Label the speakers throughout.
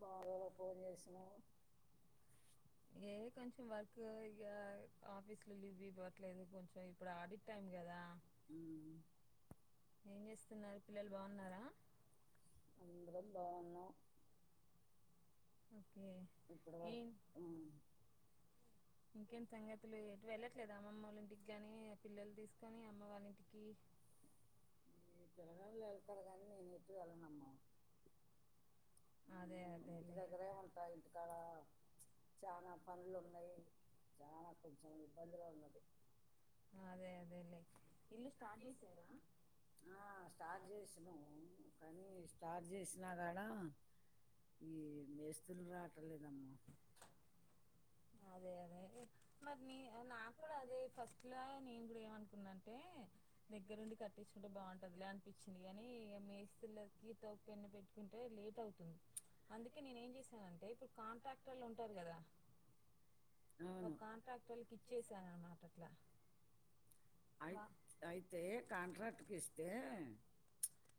Speaker 1: బాధలో ఫోన్ చేసిన
Speaker 2: ఏ కొంచెం వర్క్ ఇక ఆఫీస్ లో లీవ్ ఇవ్వట్లేదు కొంచెం ఇప్పుడు ఆడిట్ టైమ్ కదా
Speaker 1: ఉమ్.
Speaker 2: ఏం చేస్తున్నారు పిల్లలు బాగున్నారా
Speaker 1: బాగున్నా
Speaker 2: ఓకే
Speaker 1: ఇప్పుడే
Speaker 2: ఇంకేంటి సంగతులు ఎటు వెళ్లట్లేదు అమ్మమ్మ వాళ్ళ ఇంటికి ని పిల్లలు తీసుకొని అమ్మ వాళ్ళ ఇంటికి కీ
Speaker 1: పిల్లలు వెళ్తారు కానీ నేను ఎటూ వెళ్ళనమ్మా
Speaker 2: అదే
Speaker 1: ఇంటి
Speaker 2: అదేలే
Speaker 1: దగ్గరే ఉంటాయి ఇంటికాడ చానా పనులు ఉంటాయి చాలా కొంచెం ఇబ్బందులో ఉన్
Speaker 2: ఆ అదే అదే లే ఇల్లు స్టార్ట్ చేసారా
Speaker 1: ఆ స్టార్ట్ చేసిన కానీ స్టార్ట్ చేసినా కాడ ఈ మేస్తృలు రాటలేదమ్మా
Speaker 2: అదే అదే అదే మరి నే నా కూడా అది ఫస్ట్ లా నేను కూడా ఏ అనలే అంటే దగ్గరుండి కట్టించుకుంటే బాగుంటదిలే అనిపించింది కానీ ఇగ మేస్త్రీల ఇలతో పెన్ను పెట్టుకుంటే లేట్ అవుతుంది అందుకే నేను ఏం చేసానంటే ఇప్పుడు కాంట్రాక్టర్లు ఉంటారు కదా ఒ
Speaker 1: అవును
Speaker 2: కాంట్రాక్టళ్ళకి ఇచ్చసానన్నమాట అట్లా
Speaker 1: అయి
Speaker 2: వా
Speaker 1: అయితే కాంట్రాక్ట్కి ఇస్తే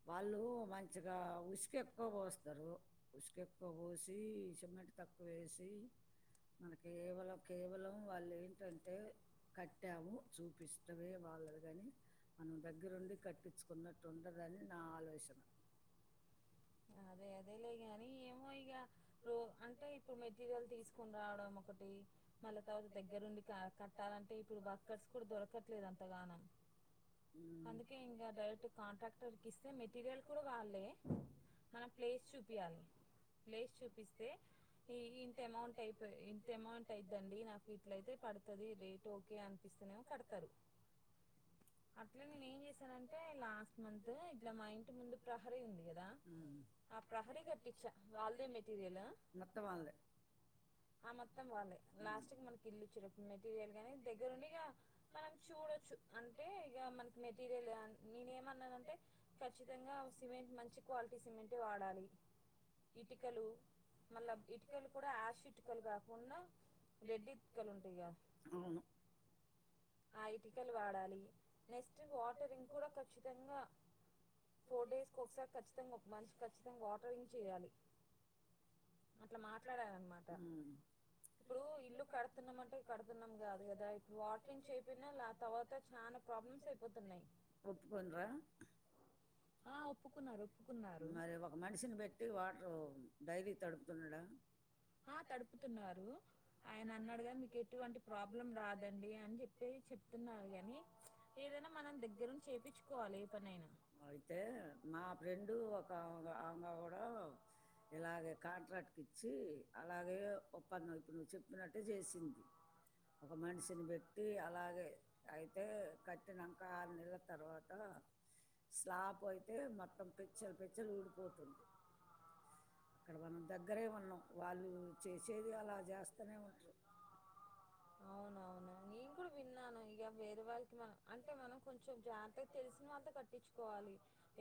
Speaker 1: వాళ్ళు మంచిగా ఉసుకె ఎక్కువ పోస్తారు ఉసుకె ఎక్కువ పోసి సిమెంట్ తక్కువ వేసి మన కేవలం కేవలం వాళ్ళు ఏంటంటే కట్టాము చూపిస్త చమే వాళ్ళదికానీ మనం దగ్గరుండి కట్టించుకున్నట్టు ఉండదని నా ఆలోచన
Speaker 2: అదే అదేలే గానీ ఏం యిగా ఇప్పుడు అంటే ఇప్పుడు మెటీరియల్ తీసుకుని రావడం ఒకటి మళ్ళీ తర్వాత దగ్గరుండి కట్టాలంటే ఇప్పుడు వర్కర్స్ కూడా దొరకట్లేదు అంతగానం
Speaker 1: ఉమ్.
Speaker 2: అందుకే ఇంకా డైరెక్ట్ కాంట్రాక్టర్కి ఇస్తే మెటీరియల్ కూడా వాళ్లే మనం ప్లేస్ చూపియ్యాలి ప్లేస్ చూపి ఈ ఇంత అమౌంట్ అయిపో ఇంత అమౌంట్ అయిందండి నాకు ఇట్లయితే పడుతుది రేట్ ఓకే అనిపిస్తనేమో కడతారు అట్ల నేను ఏం చేశానంటే లాస్ట్ మంత్ ఇట్లా మా ఇంటి ముందు ప్రహరీ ఉంది కదా
Speaker 1: ఉమ్.
Speaker 2: ఆ ప్రహరి కటిచ్చా వాళ్దే మె య్యాలా
Speaker 1: మొత్తం వాళ్ళే
Speaker 2: ఆ మొత్తం వాళ్ళది
Speaker 1: ఉమ్.
Speaker 2: లాస్ట్ మనకి ఇల్లుచ్చేటప్పుడు మెటీరియల్ నీ దగ్గరుండి ఇగా మనం చూడొచ్చు అంటే ఇగా మనకి మెటీరియల్ నేను ఏమన్నానంటే ఖచ్చితంగా సిమెంట్ మంచి క్వాలిటీ సిమెంటే వాడాలి ఇటుకలు మళ్ళా ఇటుకలు కూడా యాష్ ఇటుకలు కాకుండా రెడ్ ఇటుకలు ఉంటాయి గా
Speaker 1: అవును
Speaker 2: ఆ ఇటికలు వాడాలి నెక్స్ట్ వాటరింగ్ కూడా ఖచ్చితంగా ఫోర్ డేస్ ఒకసారి ఖచ్చితంగా మనిషి ఖచ్చితంగా వాటరింగ్ చేయాలి అట్ల మాట్లాడానన్నమాట
Speaker 1: ఉమ్.
Speaker 2: ఇప్పుడు ఇల్లు కడుతున్నం అంటే కడుతున్నం కాదు కదా ఇప్పుడు ఈవిన్ను లేకపోతె చాన ప్రాబ్ల్మ్స్ అయిపోతున్నాయి
Speaker 1: ఒప్పుకోనరా
Speaker 2: ఆ ఒప్పుకున్నారోప్పుకున్నారు
Speaker 1: మరి ఒక మనిషిని పెట్టి వాటర్ డైలీ తడుపుతున్నాడా
Speaker 2: ఆ తడుపుతున్నారు ఆయన అన్నాడు కద మీకు ఎటువంటి ప్రాబ్లం రాదండి చెప్పేయ్ చెప్తున్నారు గాని ఏదైనా మనం దగ్గరుంచేపిచుకోవాలి ఏ పనైనా
Speaker 1: అయితే తో ఇలాగే కాంట్రాక్ట్ ఇచ్చి అలాగే ఒప్పందం ఇప్పు నువ్వు చెప్పినట్టే చేసింది ఒక మనిషిని బెట్ కట్టి అలాగే అయితే కట్టినంక ఆరు నెల్ల తర్వాత స్లాప్ అయితే మొత్తం పెచ్చలు పెచ్చలు ఊడిపోతుంది అక్కడ మనం దగ్గరే ఉన్నాం వాళ్ళు చేసేది అలా చేస్తనే ఉంటారు
Speaker 2: అవునవును నేను కూడా విన్నాను ఇక వేరే వాళ్ళకి అవును అవును నేన్ కూడ విన్నాను వేరే వల్లికి మనం అంటే మనం కొంచెం జాగ్రత్త తెలిసినవాళ్ళతో కట్టించుకోవాలి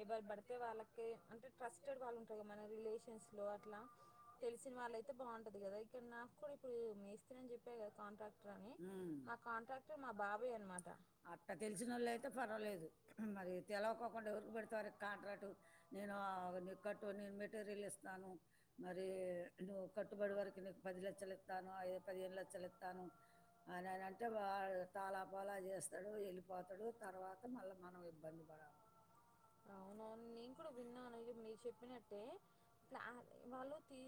Speaker 2: ఎవరు పడితే వాళ్ళకే అంటే ట్రస్టెడ్ వాళ్ళు ఉంటారు కదా మన రిలేషన్స్ లో అట్లా తెలిసిన వాళ్ళ అయితే బాగుంటది కదా ఇక్కడ నాకు కూడా ఇప్పుడు మేస్త్రి అని చెప్పే కదా కాంట్రాక్ట్
Speaker 1: ఉమ్
Speaker 2: అనమాట
Speaker 1: అట్ట తెలిసినోళ్ళు అయితే పర్వాలేదు మరి తెలవకోకుండా ఎవరికి పడితే వాళ్ళకి కాంట్రాక్ట్ నేను ఆ ను కట్టు నేను మెటీరియల్ ఇస్తాను మరి నువ్వు కట్టుబడి వరకు నీకు పది లక్షలు ఇత్తాను అదే పదిహేను లక్షలు ఇత్తాను అ అననంటే వాడు తాలా పోలా చేస్తాడు వెళ్ళిపోతాడు తర్వాత మళ్ళీ మనం ఇబ్బంది పడాలి
Speaker 2: అవునవును నేను కూడా విన్నాను ను చెప్పినట్టే అట్లా వాళ్ళు తీ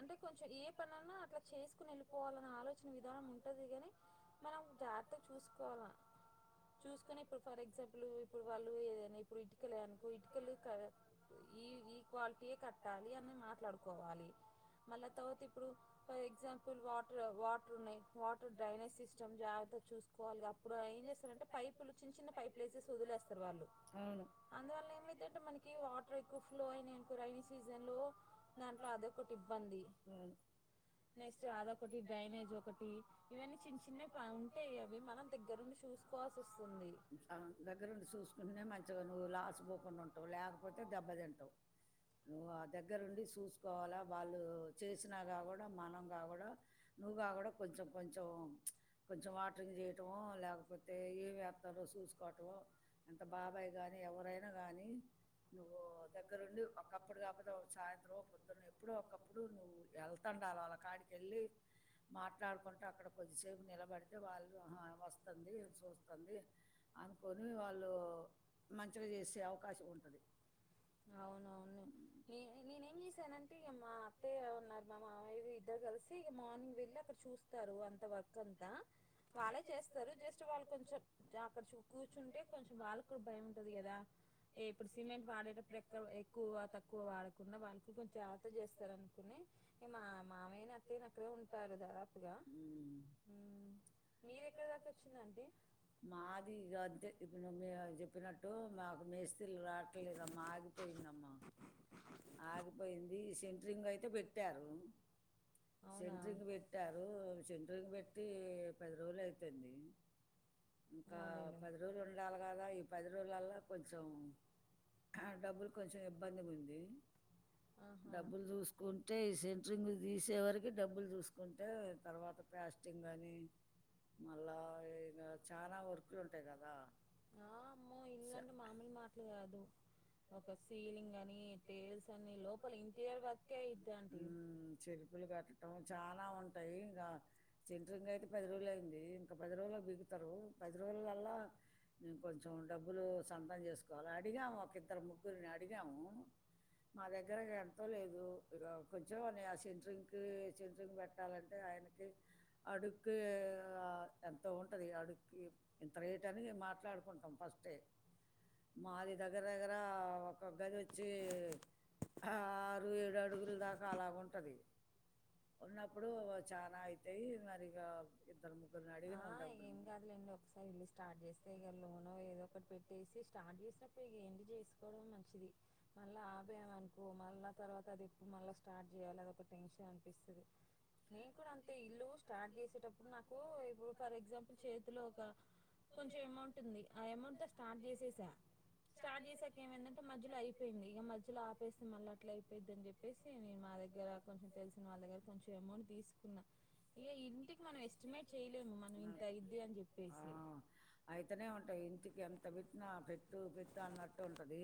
Speaker 2: అంటే కొంచెం ఏ పని అన్నా అట్ల చేసుకుని వెళ్ళిపోవాలన్న ఆలోచన విధానం ఉంటది గాని మనం జాగ్రత్తగా చూసుకోవాల చూసుకొని ఇప్పుడు ఫర్ ఎగ్జాంపుల్ ఇప్పుడు వాళ్ళు ఏదైనా ఇప్పుడు ఇంట్ కలునుకో ఇటుకలు క ఈ ఈ క్వాలిటీయే కట్టాలి. అని మాట్లాడుకోవాలి. మళ్ళా తర్వాత ఇప్పుడు ఫర్ ఎగ్జాంపుల్ వాటర్ వాటర్ ఉన్నాయి. వాటర్ డ్రైనేజ్ సిస్టమ్ జాగ్రత్త గా చూసుకోవాలి. అప్పుడు ఏం చేస్తంటే పైపులు చిన్న పైపు ప్లేసెస్ వదిలేస్తారు వాళ్ళు
Speaker 1: అవును
Speaker 2: అందువల్ల ఏమైత అంటే మనకి వాటర్ ఎక్కువ ఫ్లో అయినాయికో రైైనీ సీజన్ లో దాంట్లో అదొకటి ఇబ్బంది నెక్స్ట్ అదకటి డ్రైనేజ్ ఒకటి ఇవన్నీ చిన్న చిన్నవి ఉంటవి అవి మనం దగ్గరుండి చూసుకోవాల్సి వస్తుంది
Speaker 1: దగ్గరుండి చూసుకుంటేనే మంచిగా నువ్వు లాస్ పోకుండా ఉంటావు లేకపోతే దెబ్బ తింటావు నువ్వు ఆ దగ్గరుండి చూసుకోవాలా వాళ్ళు చేసినా కా కూడా మనం కా కూడా నువ్వు కా కూడా కొంచెం కొంచెం కొంచెం వాటరింగ్ చేయటము లేకపోతే ఏ వ్యాప్తాలు వస్తు చూసుకోవటం ఇంత బాబాయ్ కానీ ఎవరైనా కానీ నువ్వు దగ్గరుండి ఒకప్పుడు కాకపోతే సాయంత్రం పొద్దున ఎప్పుడో ఒకప్పుడు నువ్వు వెళ్తండల అళ కాడికి వెళ్ళి మాట్లాడుకుంటే అక్కడ కొద్దిసేపు నిలబడితే వాళ్ళు వస్తుంది చూస్తుంది అనుకొని వాళ్ళు మంచిగా చేసే అవకాశం ఉంటది
Speaker 2: అవునవును నే నేనేం చేశానంటే మా అత్తయ్య ఉన్నారు మా మామయ్య ఇద్దరు కలిసి మార్నింగ్ వెళ్ళి అక్కడ చూస్తారు అంత వర్క్ అంతా వాళ్ళే చేస్తారు. జస్ట్ వాళ్ళు కొంచెం అక్కడ కూర్చుంటే, కొంచెం వాళ్ళ కూడా భయం ఉంటది కదా. ఇప్పుడు సిమెంట్ వాడేటప్పుడు ఎక్కఎక్కువ తక్కువ వాడకుండా వాళ్ళకి కొంచెం అత చేస్తారు. అనుకుని మా మామయ్యని అక్కడే ఉంటారు దాదాపుగా ఉ
Speaker 1: మాది ఇక అంతే ఇప్పుడు మీ చెప్పినట్టు మాకు మేస్త్రీ లు రావట్లేదమ్మా ఆగిపోయిందమ్మ ఆగిపోయింది సెంటరింగ్ అయితే పెట్టారు.
Speaker 2: అవునా
Speaker 1: సెంట్రింగ్ పెట్టారు సెంటరింగ్ పెట్టి పదిరోజులు అయిపోయింది ఇంకా
Speaker 2: అదేలే
Speaker 1: పదిరోజులు ఉండాలాగా ఈ పది రోజులల కొంచం డబ్బులు కొంచం ఇబ్బందిగుంది
Speaker 2: ఆహా!
Speaker 1: డబ్బులు
Speaker 2: ఆ!
Speaker 1: చూసుకుంటే సెంట్రింగ్ తీసే చివరికి డబ్బులు చూసుకుంటే తర్వాత ప్యాస్టింగ్ కాని మళ్ళా ఇ చన వర్క్లు ఉంటాయి కదా
Speaker 2: ఆ అమ్మో ఇల్లు
Speaker 1: స
Speaker 2: అంటే మాములు మాటలు కాదు ఒక సీలింగ్ అని తెేల్
Speaker 1: హ చెరుపులు కట్టడం చాలా ఉంటాయి ఇంకా చెంట్రింకా అయితే పది రోజులు అయింది ఇంకా పది రోజులు బిగు రు పది రోజులల్లా కొంచెం డబ్బులు సంతాం చేసుకు లా అడిగాము ఒక ఇద్దరు ముగ్గురిని అడిగాము మా దగ్గర ఎంతో లేదు. ఇ కొంచెంని ఆ సెంట్రింగ్కి సెంట్రింగ్ పెట్టాలంటే, ఆయనకి అడుక్కు ఎంతో ఉంటుంది. అడుక్కి ఇంత రేట్ అని మాట్లాడుకుంటాం ఫస్టే. దగ్గర దగ్గర ఒక గది వచ్చి ఆ ఆరు ఏడు అడుగుల దాకా అలాఉంటది ఉన్నప్పుడు చాలా అయితాయి మరిక ఇద్దరు ముగ్గురిని
Speaker 2: ఆ!
Speaker 1: అడిగనాము డబ్బులు
Speaker 2: ఇ లోన ఏదో ఒకటి పెట్టేసి, స్టార్ట్ చేసినప్పుడు ఇ ఏంటి చేసుకోవడం మంచిది. మళ్ళీ ఆపేమ అనుకో మళ్ళా తర్వాత, అది ఎప్పుడు మళ్ళా స్టార్ట్ చేయాలి అదొక టెన్షన్ అనిపిస్తుంది. నేను కూడా అంత ఇల్లు స్టార్ట్ చేసేటప్పుడు నాకు ఇప్పుడు ఫర్ ఎగ్జాంపుల్ చేతిలో, ఒక కొంచెం అమౌంట్ ఉంది. ఆ అమౌంట్ తో స్టార్ట్ చేసేసా. స్టార్ట్ చేసాక ఏమైందంటే మధ్యలో అయిపోయింది ఇక మధ్యలో ఆపేస్తే మళ్ళీ అట్లా అయిపోయిద్ది. అని చెప్పేసి నే మా దగ్గర కొంచెం తెలిసిన వాళ్ళ దగ్గర కొంచెం. తీసుకున్నా ఇక ఇంటికి మనం ఎస్టిమేట్ చేయలేము మనం ఇంత ఐద్ది అని
Speaker 1: ఆ
Speaker 2: చెప్పేసి
Speaker 1: వచినా పెట్టు పెట్టు అన్నట్టు ఉంటది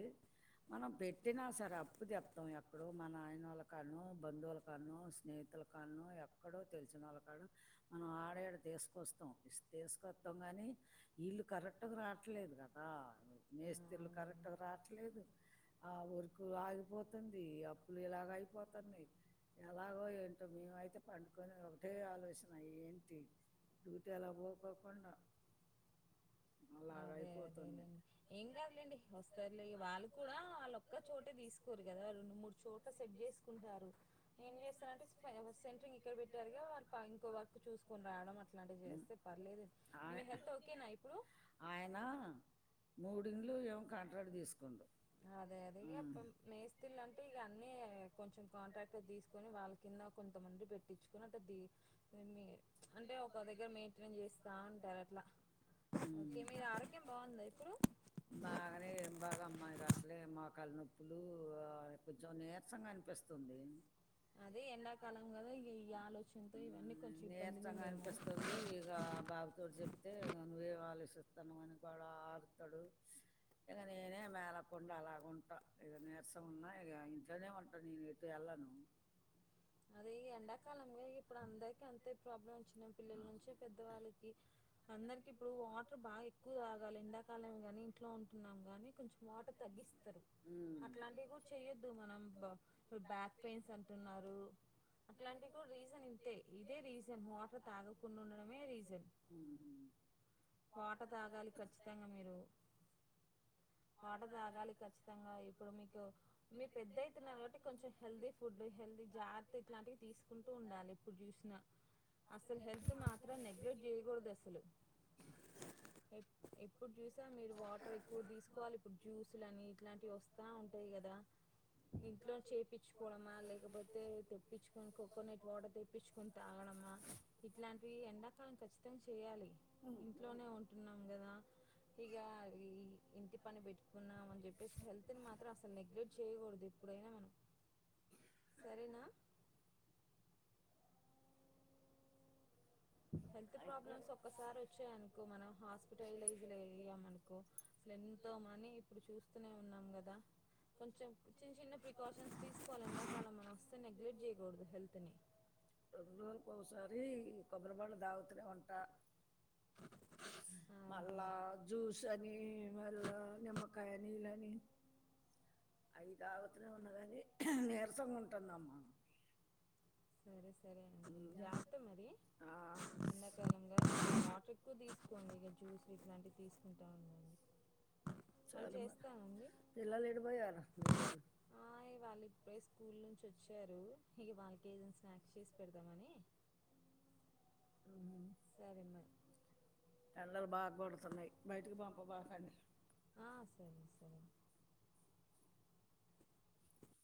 Speaker 1: మనం పెట్టినా సరే అప్పు చెప్తం ఎక్కడో మా నయనోలకి కన్నో బంధువుల కాన్నో స్నేహితుల కాన్నో ఎక్కడో తెలిసిన వాళ్ళ కాడ మనం ఆడ ఈడ తీసుకొస్తాం తీసుకొస్తాం కానీ వీళ్ళు కరెక్ట్గా రావట్లేదు కదా మేస్త్రిర్లు కరెక్ట్గా రావట్లేదు ఆ వర్కు ఆగిపోతుంది అప్పులు ఇలాగ అయిపోతుంది ఎలాగో ఏంటో మేమైతే పం ఒకటే ఆలోచన ఏంటి డ్యూటీ అలా పోకోకుండ
Speaker 2: అదే అదేలే ఏం కాదులేండి వస్తారులే వాళ్ళు కూడా వాళ్ళ ఒక్క చోటే తీసుకోరు కదా రెండు మూడు చోట్ల సెట్ చేసుకుంటారు ఏం చేస్తారంటేె సెంట్రింగ్ క్కడ పెట్టారుగా వాళ ఇంకో వర్క్ చూసుకొని రావడం అట్లాంటివి
Speaker 1: ఉమ్.
Speaker 2: చేస్తే పర్లేదు మీ
Speaker 1: ఆయ-
Speaker 2: హెల్త్ ఓకేనా ఇప్పుడు
Speaker 1: ఆయన మూడిండ్లు ఏవో కాంట్రాక్ట్ తీసుకుండు
Speaker 2: అదే అదే క
Speaker 1: ఉమ్,
Speaker 2: పం
Speaker 1: ఇక
Speaker 2: మేస్తిలంటే ఇగ నే కొంచెం కాంట్రాక్ట్ర్ అట్ట తీసుకొని వాళ్ళ కింద కొంతమంది పెట్టించుకొని అట్ట దీ అంటే ప్చ్ ఒక దగ్గర మెయింటెన్ చేస్తా ఉంటారు అట్లా ఓకే
Speaker 1: హుమ్
Speaker 2: మీ ఆరోగ్యం బాగుందా ఇప్పుడు
Speaker 1: బాగానే ఏం బాగా అమ్మా ఇగ అట్లే కాళ్ళనొప్పులు కొంచెం నీరసంగా అనిపిస్తుంది
Speaker 2: అదే ఎండాకాలం కదా ఇగ ఈ ఆలోచనతో ఇవన్నీ కొంచెం ఇబ్బంది
Speaker 1: నీరసంగా
Speaker 2: గుందేమో
Speaker 1: అనిపిస్తుంది నువేం ఆలోచిస్తాన్నవ్ అని కూడా ఆలుత్తాడు ఇక నేనే మేలకుండా అలాగుంట ఇగా నీరసంగా ఉన్నా ఇగ ఇంట్లోనే ఉంటా నేను ఎటు వెళ్ళను
Speaker 2: అదే ఎండాకాలం గా ఇప్పుడు అందరికి అంతే ప్రాబ్లం వచ్చినం
Speaker 1: ఆ.
Speaker 2: పిల్లల నుంచి పెద్దవాళ్ళకి అందరికి ఇప్పుడు వాటర్ బాగా ఎక్కువ తాగాలి ఎండాకాలం గాని ఇంట్లో ఉంటున్నాం గాని కొంచెం వాటర్ తగ్గిస్
Speaker 1: ఉమ్.
Speaker 2: అట్లాంటివి కూడా చెయొద్దు మనం బ్యాక్ పెయిన్స్ అంటున్నారు అట్లాంటివి కూడా రీజన్ ఇంతే ఇదే రీజన్ వాటర్ తాగకుండా ఉండడమే రీజన్
Speaker 1: ఉమ్.
Speaker 2: వాటర్ తాగాలి ఖచ్చితంగా మీరు వాటర్ తాగాలి ఖచ్ తంగా ఇప్పుడు మీకు మీరూ పెద్దయితున్నారు కాబట్టి కొంచెం హెల్దీ ఫుడ్ హెల్దీ జా ఇట్లాంటివి తీసుకుంటూ ఉండాలి ఎప్పుడు చూసినా అస్సలు హెల్త్ మాత్రం నెగ్లెక్ట్ చేయకూడదు అస్సలు ఎప్పుడు చూసా మీరు వాటర్ ఎక్కువ తీసుకోవాలి ఇప్పుడు జ్యూస్లని ఇట్లాంట్ ఇవ్ వస్తా ఉంటాయ్ కదా ఇంట్లో చెపిచుకోవడమా లేకపోతే తెప్పించుకొని కోకోనట్ వాటర్ తెప్పించుకొని తాగడమా ఇట్లాంటివి ఎండాకాలం ఖచ్చితంగా చేయాలి ఇంట్లోనే ఉంటున్నాం గదా
Speaker 1: ఉమ్.
Speaker 2: ఇక ఇంటి పని పెట్టుకున్నామని చెప్పేసి హెల్త్ ని మాత్రం అసలు నెగ్లెక్ట్ చేయకూడదు ఎప్పుడైనా మనం సరేనా హెల్త్
Speaker 1: అయితే
Speaker 2: ప్రాబ్లమ్స్ ఒక్కసారి వచ్చాయనుకో మనం
Speaker 1: రెండు
Speaker 2: హాస్పిటలైజ్ అయ్యామనుకో అసలు ఎంతోమని ఇప్పుడు చూస్తూనే ఉన్నాం కదా కొంచెం చిన్న చిన్న ప్రికాషన్స్ తీసుకోవాలన్నా వాళ్ళ మనం అస్స నెగ్లెక్ట్ చేయకూడదు హెల్త్ని
Speaker 1: ఓ సారి వాళ్లు దావుతూనే ఉంటా
Speaker 2: ఆహా
Speaker 1: మళ్ళా జ్యూస్ అనీ మళ్ళా నిమ్మకాయ నీళ్ళని అవి తాగుతూనే ఉన్నగాని నీరసంగా ఉంటందమ్మ
Speaker 2: సరే సరే అండి జాగ్రత మరి
Speaker 1: ఆ,
Speaker 2: చిన్నకాలంగా వాటర్ క్కువ తీసుకోండి ఇక జ్యూస్లు ఇట్లాంటివి తీసుకుంటా ఉండండి మళ్ళ
Speaker 1: చాలా మ-
Speaker 2: చేస్తానండి
Speaker 1: పిల్లలు ఎడిపోయారు మీ వాళ్ళు
Speaker 2: అ ఇ వాళు స్కూల్ నుంచి వచ్చారు ఇక వాళ్ళకి ఏదైనా స్నాక్స్ చేసి పెడతామని సరమ
Speaker 1: ఎలలు బాగు కోడుతున్నాయి బయటికి పంప బాగాండే
Speaker 2: ఆ, సరే సరే